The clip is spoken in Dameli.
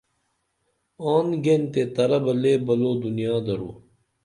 آن گین تے ترہ بہ لے بلو دنیا درو